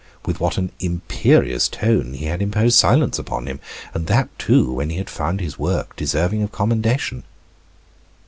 With what an imperious tone he had imposed silence upon him and that, too, when he had found his work deserving of commendation.